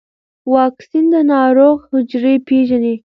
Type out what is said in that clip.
واکسین د ناروغ حجرې پېژني.